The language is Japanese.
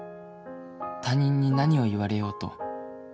「他人に何を言われようと」